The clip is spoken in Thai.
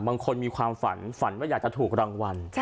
มีความฝันฝันว่าอยากจะถูกรางวัล